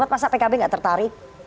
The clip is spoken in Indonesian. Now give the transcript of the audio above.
masa pkb nggak tertarik